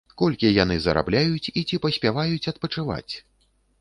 Колькі яны зарабляюць і ці паспяваюць адпачываць?